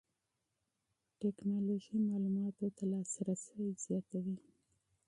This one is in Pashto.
ټکنالوژي معلوماتو ته لاسرسی زیاتوي.